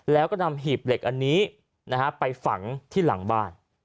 แล้วก็นำหีบเหล็กอันนี้ไปฝังที่หลังบ้าน